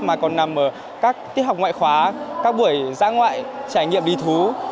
mà còn nằm ở các thiết học ngoại khóa các buổi giã ngoại trải nghiệm đi thú